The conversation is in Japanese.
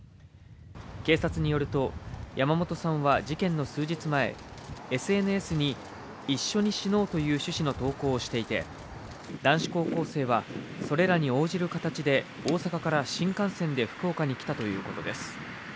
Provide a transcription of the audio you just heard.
警察によると山本さんは事件の数日前、ＳＮＳに一緒に死のうという趣旨の投稿をしていて、男子高校生は、それらに応じる形で大阪から新幹線で福岡に来たということです。